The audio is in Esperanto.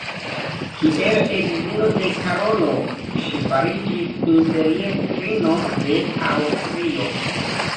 Kiel edzino de Karolo ŝi fariĝis imperiestrino de Aŭstrio.